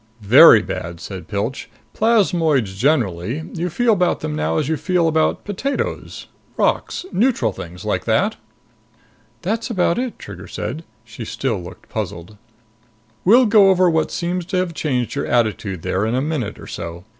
"Very bad," said Pilch. "Plasmoids generally, you feel about them now as you feel about potatoes ... rocks ... neutral things like that?" "That's about it," Trigger said. She still looked puzzled. "We'll go over what seems to have changed your attitude there in a minute or so.